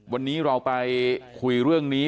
วันนี้เราไปคุยเรื่องนี้